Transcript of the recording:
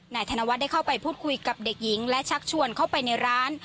ธนวัฒน์ได้เข้าไปพูดคุยกับเด็กหญิงและชักชวนเข้าไปในร้าน